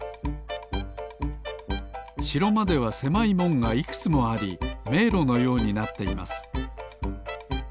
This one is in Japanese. しろまではせまいもんがいくつもありめいろのようになっています